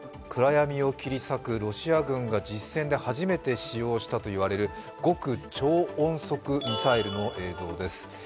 暗闇を切り裂く、ロシア軍が実戦で初めて使用したといわれる極超音速ミサイルの映像です。